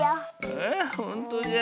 ああほんとじゃ。